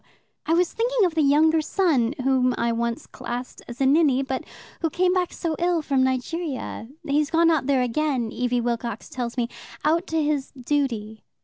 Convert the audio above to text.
"I was thinking of the younger son, whom I once classed as a ninny, but who came back so ill from Nigeria. He's gone out there again, Evie Wilcox tells me out to his duty."